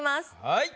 はい。